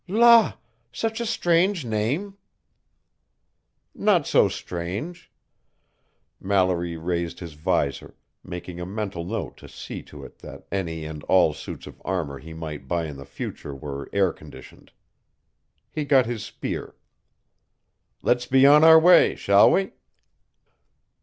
"La! such a strange name." "Not so strange." Mallory raised his visor, making a mental note to see to it that any and all suits of armor he might buy in the future were air conditioned. He got his spear. "Let's be on our way, shall we?" "Ye